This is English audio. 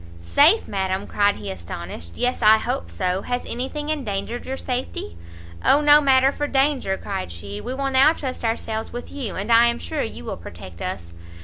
"Safe, Madam," cried he astonished, "yes I hope so! has any thing endangered your safety?" "O no matter for danger," cried she, "we will now trust ourselves with you, and I am sure you will protect us."